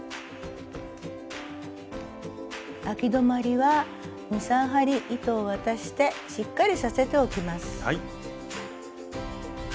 あき止まりは２３針糸を渡してしっかりさせておきます。